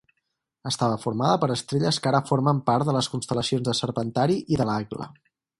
Estava formada per estrelles que ara formen part de les constel·lacions del Serpentari i de l'Àguila.